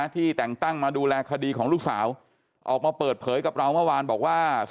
ที่แต่งตั้งมาดูแลคดีของลูกสาวออกมาเปิดเผยกับเราเมื่อวานบอกว่า